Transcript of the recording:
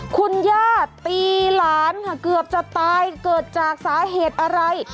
คุณย่าตีหลานค่ะเกือบจะตายเกิดจากสาเหตุอะไร